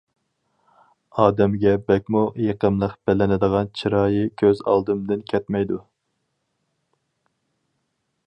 ئادەمگە بەكمۇ يېقىملىق بىلىنىدىغان چىرايى كۆز ئالدىمدىن كەتمەيدۇ.